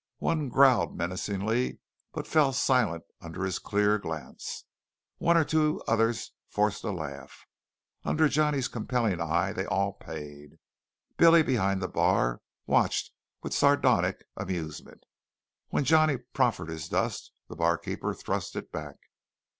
One growled menacingly, but fell silent under his clear glance. One or two others forced a laugh. Under Johnny's compelling eye they all paid. Billy, behind the bar, watched with sardonic amusement. When Johnny proffered his dust, the barkeeper thrust it back.